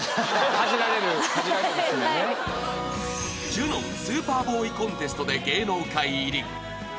［ジュノン・スーパーボーイ・コンテストで芸能界入り］